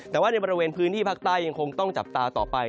แต่ว่าในบริเวณพื้นที่ภาคใต้ยังคงต้องจับตาต่อไป